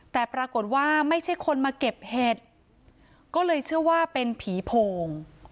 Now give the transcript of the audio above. แต่ปรากฏว่าไม่ใช่คนมาเก็บเห็ดก็เลยเชื่อว่าเป็นผีโพง